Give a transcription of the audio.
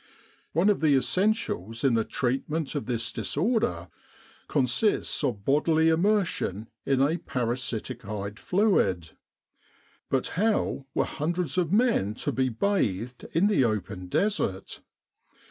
One of the essentials in the treatment of this disorder consists of bodily immersion in a para siticide fluid. But how were hundreds of men to be bathed in the open Desert